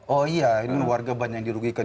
oh iya ini warga banyak yang dirugikan